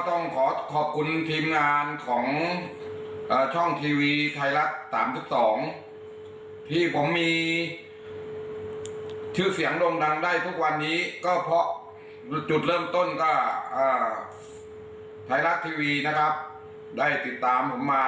ไทยรัตน์ทีวีได้ติดตามผมมา